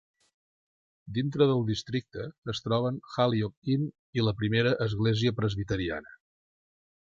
Dintre del districte es troben Halliock Inn i la Primera Església Presbiteriana.